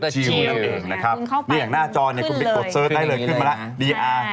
หลังหน้าจอคุณไปกดเสิร์ชได้เลยขึ้นมาละ